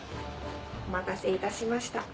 お待たせいたしました